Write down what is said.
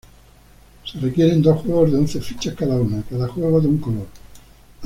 Se requieren dos juegos de once fichas cada una, cada juego de un color.